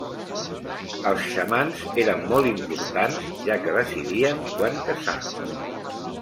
Els xamans eren molt importants, ja que decidien quan caçar.